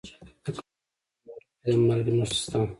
د کندهار په معروف کې د مالګې نښې شته.